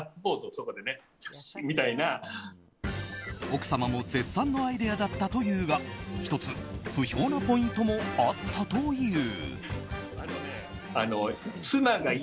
奥様も絶賛のアイデアだったというが１つ不評なポイントもあったという。